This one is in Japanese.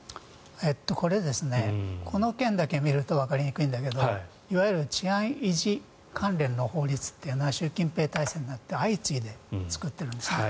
この件だけで見るとわかりにくいんだけどいわゆる治安維持関連の法律っていうのは習近平体制になって相次いで作っているんですね。